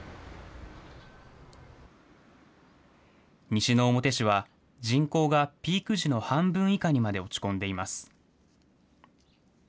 西之表市は、人口がピーク時の半分以下にまで落ち込んでいます。